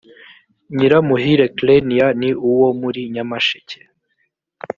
nyiramuhire clenia ni uwo muri nyamasheke